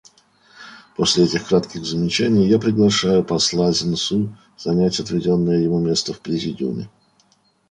После этих кратких замечаний я приглашаю посла Зинсу занять отведенное ему место в Президиуме.